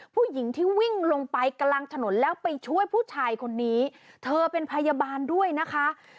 ผู้หญิงที่วิ่งลงไปกลางถนนแล้วไปช่วยผู้ชายคนนี้เธอเป็นพยาบาลด้วยนะคะ